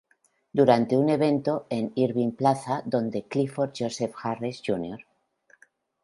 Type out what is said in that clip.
Durante un evento en Irving Plaza donde Clifford Joseph Harris Jr.